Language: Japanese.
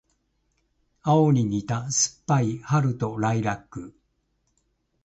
青に似た酸っぱい春とライラック